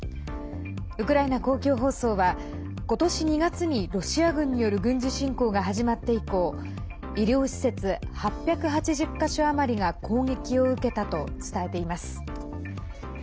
ウクライナ公共放送は今年２月にロシア軍による軍事侵攻が始まって以降医療施設８８０か所余りが攻撃を受けたと伝えています。